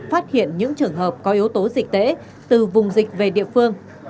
phát hiện những trường hợp có yếu tố dịch tễ từ vùng dịch về địa phương